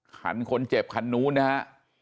คันคนเจ็บคันนู้นนะฮะ